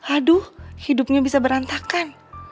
aduh hidupnya bisa berantakan